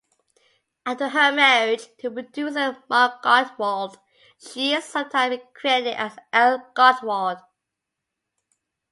After her marriage to producer Mark Gottwald, she is sometimes credited as Ellie Gottwald.